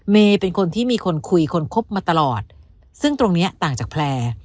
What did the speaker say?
เป็นคนที่มีคนคุยคนคบมาตลอดซึ่งตรงเนี้ยต่างจากแพลร์